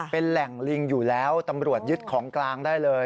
เป็นแหล่งลิงอยู่แล้วตำรวจยึดของกลางได้เลย